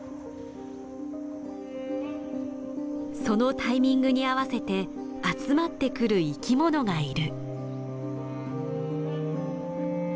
そのタイミングに合わせて集まってくる生きものがいる。